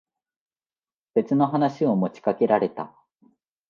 別の話を持ちかけられた。